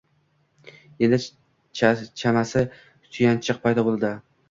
Endi, chamasi, suyanchiq paydo bo’ldi